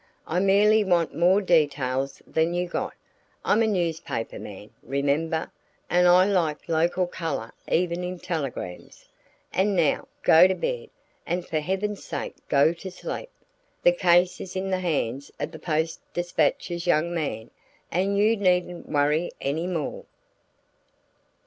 I merely want more details than you got; I'm a newspaper man, remember, and I like local color even in telegrams. And now, go to bed; and for heaven's sake, go to sleep. The case is in the hands of the Post Dispatch's young man, and you needn't worry any more."